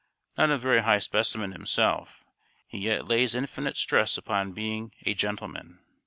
Not a very high specimen himself, he yet lays infinite stress upon being "a gentleman."